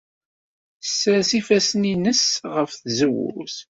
Tessers ifassen-nnes ɣef tzewwut.